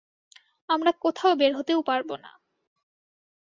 আমরা কোথাও বের হতেও পারব না।